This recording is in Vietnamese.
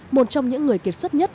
một trong những người kiệt xuất nhất